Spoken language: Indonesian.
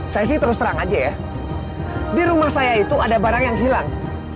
saya sih terus terang aja ya di rumah saya itu ada barang yang hilang